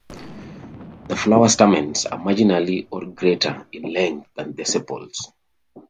The flower stamens are marginally or greater in length than the sepals.